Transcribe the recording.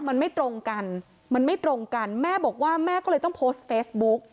มันไม่ตรงกันมันไม่ตรงกันแม่บอกว่าแม่ก็เลยต้องโพสต์เฟซบุ๊ก